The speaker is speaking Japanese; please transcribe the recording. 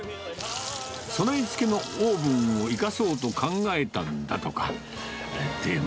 備え付けのオーブンを生かそうと考えたんだとか。